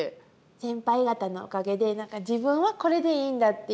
先輩方のおかげで何か自分はこれでいいんだっていう。